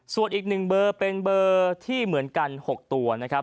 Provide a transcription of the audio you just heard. ส่วนอีก๑เบอร์เป็นเบอร์ที่เหมือนกัน๖ตัวนะครับ